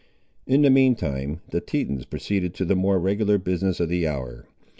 In the mean time the Tetons proceeded to the more regular business of the hour.